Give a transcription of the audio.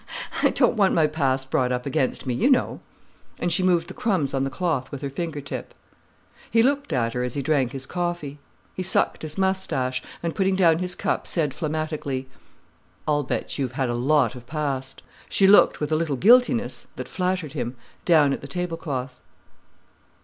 "I don't want my past brought up against me, you know." And she moved the crumbs on the cloth with her finger tip. He looked at her as he drank his coffee; he sucked his moustache, and putting down his cup, said phlegmatically: "I'll bet you've had a lot of past." She looked with a little guiltiness, that flattered him, down at the tablecloth.